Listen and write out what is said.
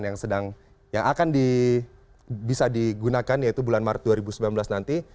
yang akan bisa digunakan yaitu bulan maret dua ribu sembilan belas nanti